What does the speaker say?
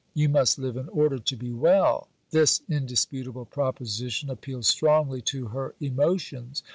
You must live in order to be well." This indisputable proposition appealed strongly to her emotions.